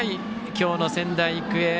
今日の仙台育英。